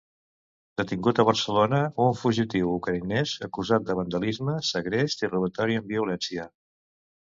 Detingut a Barcelona un fugitiu ucraïnès acusat de vandalisme, segrest i robatori amb violència.